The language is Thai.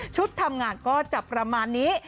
ทำงานก็จะประมาณนี้